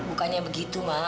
ma bukannya begitu ma